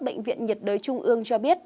bệnh viện nhiệt đới trung ương cho biết